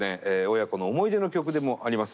親子の思い出の曲でもあります